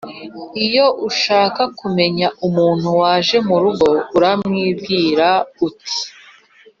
Iyo ushaka kumenya umuntu waje mu rugo uramubwira uti